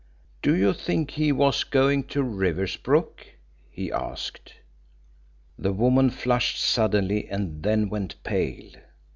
"Do you think he was going to Riversbrook?" he asked. The woman flushed suddenly and then went pale.